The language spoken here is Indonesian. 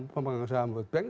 pemegang saham world bank